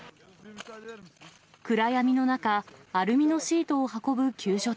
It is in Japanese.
暗闇の中、アルミのシートを運ぶ救助隊。